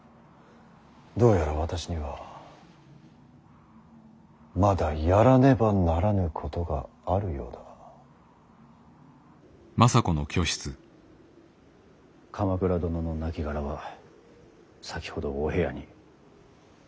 どうやら私にはまだやらねばならぬことがあるようだ。鎌倉殿の亡骸は先ほどお部屋に。